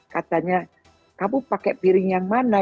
katanya kamu pakai piring yang mana